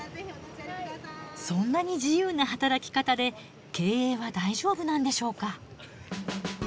そんなに自由な働き方で経営は大丈夫なんでしょうか？